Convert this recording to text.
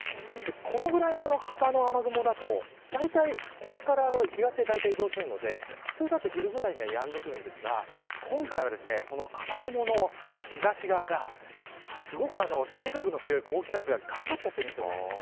このぐらいの幅の雨雲だとだいたいこれから東へ移動するので普通だと昼くらいにはやんでくるんですが今回は雨雲の東側がすごく勢力の強い高気圧が頑張っちゃってるんですよね。